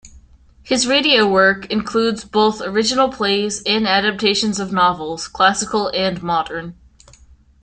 His radio work includes both original plays and adaptations of novels, classical and modern.